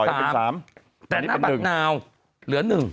แต่หน้าบัตรนาวเหลือ๑